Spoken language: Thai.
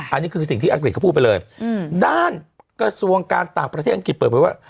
อันนี้คือสิ่งที่อังกฤษเขาพูดไปเลยด้านกระทรวงการต่างประเทศอังกฤษเปิดเผยว่า